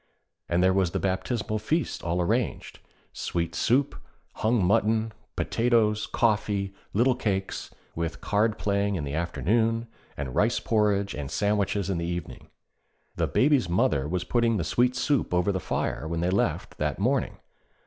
And there was the baptismal feast all arranged: sweet soup, hung mutton, potatoes, coffee, little cakes, with card playing in the afternoon, and rice porridge and sandwiches in the evening. The Baby's mother was putting the sweet soup over the fire when they left that morning.